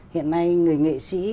hiện nay người nghệ sĩ